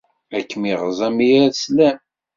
Ad kem-iɣeẓẓ am yir slam.